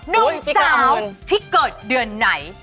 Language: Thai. หนุ่มสาวที่เกิดเดือนไหน